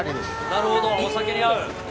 なるほど、お酒に合う。